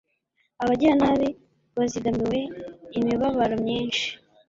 abagiranabi bazigamiwe imibabaro myinshi